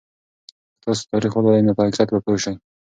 که تاسو تاریخ ولولئ نو په حقیقت به پوه شئ.